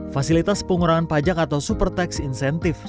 fasilitas pengurangan pajak atau super teks incentive